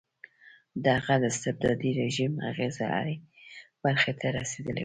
د هغه د استبدادي رژیم اغېزه هرې برخې ته رسېدلې وه.